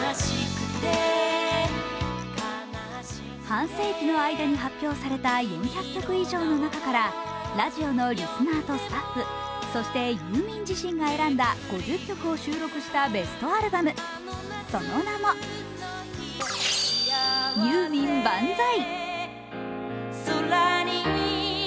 半世紀の間に発表された４００曲以上の中からラジオのリスナーとスタッフ、そしてユーミン自身が選んだ５０曲を収録したベストアルバム、その名も、「ユーミン万歳！」。